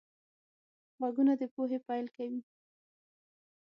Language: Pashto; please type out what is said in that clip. غوږونه د پوهې پیل کوي